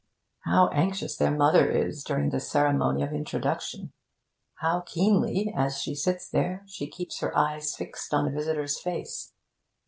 How anxious their mother is during the ceremony of introduction! How keenly, as she sits there, she keeps her eyes fixed on the visitor's face!